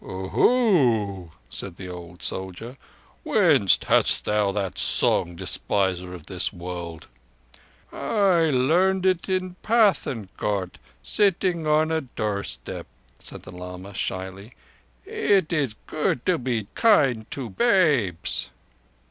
"Oho!" said the old soldier. "Whence hadst thou that song, despiser of this world?" "I learned it in Pathânkot—sitting on a doorstep," said the lama shyly. "It is good to be kind to babes."